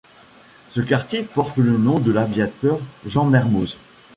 Ce quartier porte le nom de l'aviateur Jean Mermoz.